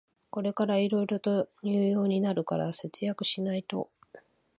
これからいろいろと入用になるから節約しないと